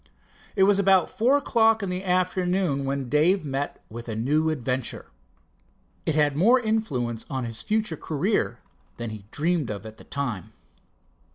It was about four o'clock in the afternoon when Dave met with a new adventure. It had more influence on his future career than he dreamed of at the time.